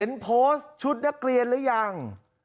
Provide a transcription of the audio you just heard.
โพสต์ชุดนักเรียนหรือยัง